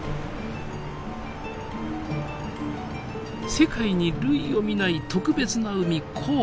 世界に類を見ない特別な海紅海。